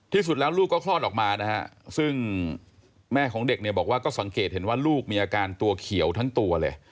ที่สุดแล้วลูกก็คลอดออกมานะฮะซึ่งแม่ของเด็กเนี่ยบอกว่าก็สังเกตเห็นว่าลูกมีอาการตัวเขียวทั้งตัวเลย